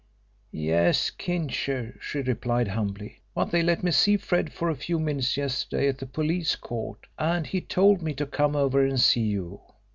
"Yes, Kincher," she replied humbly, "but they let me see Fred for a few minutes yesterday at the police court and he told me to come over and see you.